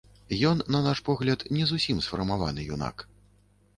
Ён, на наш погляд, не зусім сфармаваны юнак.